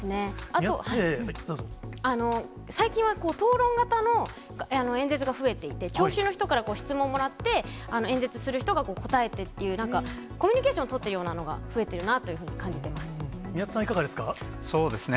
あと、最近は討論型の演説が増えていて、聴衆の人から質問もらって、演説する人が答えてっていう、コミュニケーションを取ってるようなのが増えてるなというふうに宮田さんはいかがですか？